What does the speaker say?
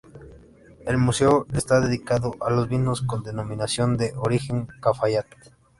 El museo está dedicado a los vinos con denominación de origen Cafayate.